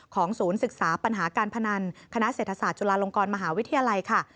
ศูนย์ศึกษาปัญหาการพนันคณะเศรษฐศาสตร์จุฬาลงกรมหาวิทยาลัยค่ะ